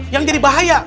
yang jadi bahaya